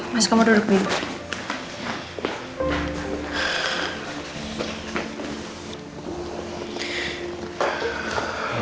mas kamu duduk dulu